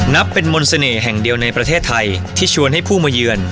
นับเป็นมนต์เสน่ห์แห่งเดียวในประเทศไทยที่ชวนให้ผู้มาเยือน